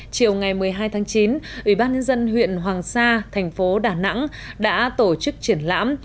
chiều ngày một mươi hai tháng chín ủy ban nhân dân huyện hoàng sa thành phố đà nẵng đã tổ chức triển lãm